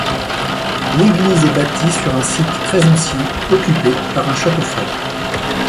L'église est bâtie sur un site très ancien, occupé par un château fort.